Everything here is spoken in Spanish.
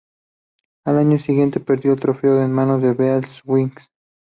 Al año siguiente perdió el trofeo a manos de Beals Wright.